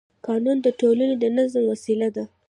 قانون د ټولنې د نظم وسیله ده